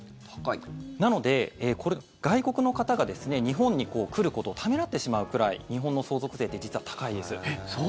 なので、これ外国の方が日本に来ることをためらってしまうくらい日本の相続税って実は高いです。